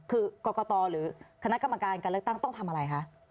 คือกรกตหรือคณะกรรมการการเลือกตั้งต้องทำอะไรคะ